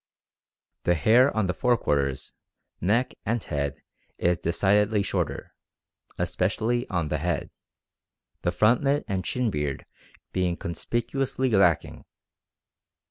The hair on the fore quarters, neck, and head is decidedly shorter, especially on the head; the frontlet and chin beard being conspicuously lacking.